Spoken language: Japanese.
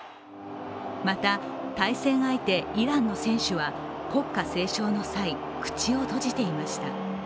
また対戦相手、イランの選手は国歌斉唱の際、口を閉じていました。